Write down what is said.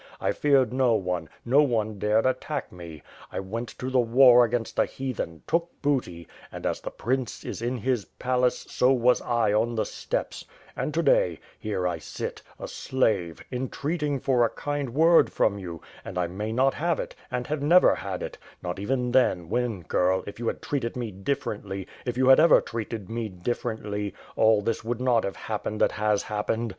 I feared no one; no one dared attack me. I went to ..^ WITH FIRE AND SWORD. the war against the heathen, took booty; and, as the prince is in his palace, so was 1 on the steppes; and to day — ^here 1 sit, a slave, entreating for a kind word from you; and I may not have it, and have never had it — ^not even then, when girl, if you treated me dififerently, if you had ever treated me differently, all this would not have happened that has happened.